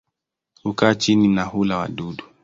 Hukaa chini na hula wadudu.